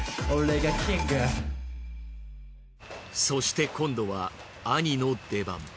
そして今度は兄の出番。